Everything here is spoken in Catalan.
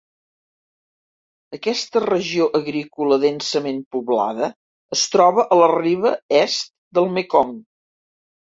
Aquesta regió agrícola densament poblada es troba a la riba est del Mekong.